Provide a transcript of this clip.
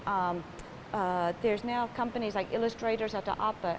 ada perusahaan seperti illustrator atau apa